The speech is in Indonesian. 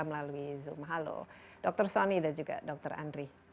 melalui zoom halo dr sony dan juga dr andri